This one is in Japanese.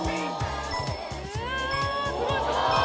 うわすごいすごい！